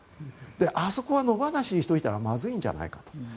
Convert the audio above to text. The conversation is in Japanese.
あそこは野放しにしておいたらまずいんじゃないかと。